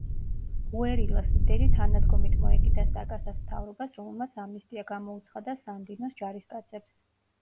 გუერილას ლიდერი თანადგომით მოეკიდა საკასას მთავრობას, რომელმაც ამნისტია გამოუცხადა სანდინოს ჯარისკაცებს.